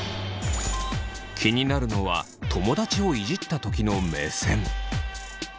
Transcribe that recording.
気になるのは友達をイジったときの目線。